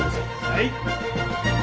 はい。